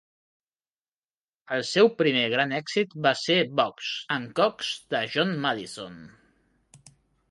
El seu primer gran èxit va ser Box and Cox de John Maddison.